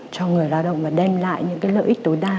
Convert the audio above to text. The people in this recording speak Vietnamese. cho người lao động và đem lại những cái lợi ích tối đa